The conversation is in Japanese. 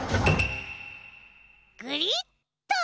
ぐりっと。